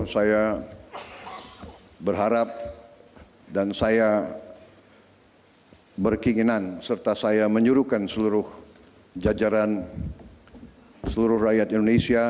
saya berharap dan saya berkinginan serta saya menyuruhkan seluruh jajaran seluruh rakyat indonesia